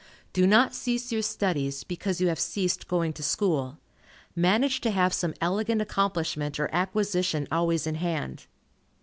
Do not cease your studies, because you have ceased going to school. Manage to have some elegant accomplishment or acquisition always in hand.